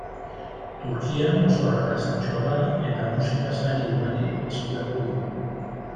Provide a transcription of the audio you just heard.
Turkian oso arrakastatsua da eta musika sari ugari eskuratu ditu.